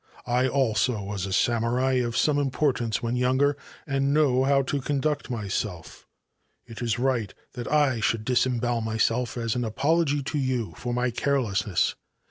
I also was a samurai some importance when younger, and know how to •nduct myself. It is right that I should disembowel yself as an apology to you for my carelessness.'